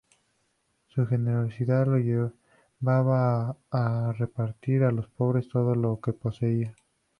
Su generosidad lo llevaba a repartir a los pobres todo lo que poseía.